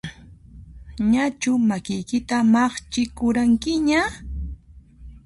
Ñachu makiykita maqchikuranqiña?